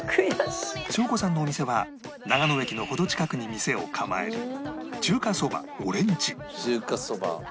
翔子さんのお店は長野駅の程近くに店を構える中華そば。